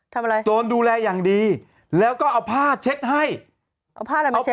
ทำอะไรโดนดูแลอย่างดีแล้วก็เอาผ้าเช็ดให้เอาผ้าอะไรมาเช็